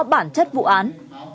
bản chất vụ án